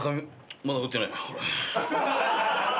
まだ打ってないな。